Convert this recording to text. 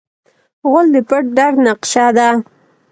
غول د پټ درد نقشه ده.